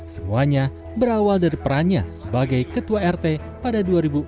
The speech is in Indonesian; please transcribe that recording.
semuanya berawal dari perannya sebagai ketua rt pada dua ribu empat